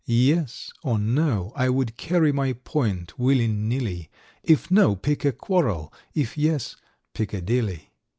Yes or No—I would carry my point, willy, nilly; If "no," pick a quarrel, if "yes," Piccadilly.